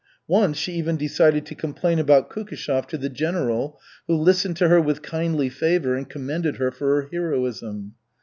Once she even decided to complain about Kukishev to the governor, who listened to her with kindly favor and commended her for her heroism.